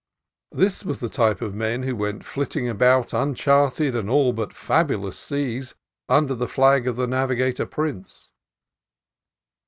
This was the type of men who went flitting about uncharted and all but fabulous seas under the flag of the Navigator Prince.